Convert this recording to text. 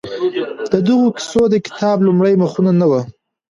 د دغو کیسو د کتاب لومړي مخونه نه وو؟